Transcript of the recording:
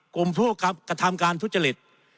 กลุ่มผู้กระทำการทุจริต